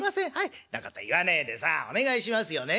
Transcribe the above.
「そんなこと言わねえでさあお願いしますよね。